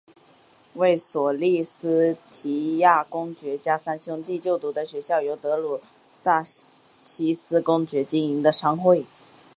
为索利斯提亚公爵家三兄妹就读的学校由德鲁萨西斯公爵经营的商会。